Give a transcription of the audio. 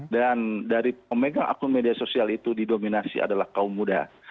dan dari pemegang akun media sosial itu didominasi adalah kaum muda